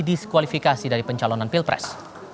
diskualifikasi dari pencalonan pilpres